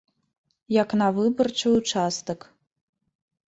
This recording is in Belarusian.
Як на выбарчы ўчастак.